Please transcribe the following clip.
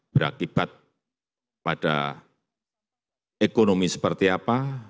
berakibat pada ekonomi seperti apa